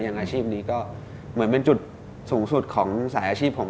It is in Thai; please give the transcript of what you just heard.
อย่างอาชีพนี้ก็เหมือนเป็นจุดสูงสุดของสายอาชีพผม